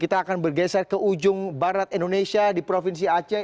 kita akan bergeser ke ujung barat indonesia di provinsi aceh